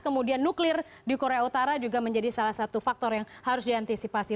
kemudian nuklir di korea utara juga menjadi salah satu faktor yang harus diantisipasi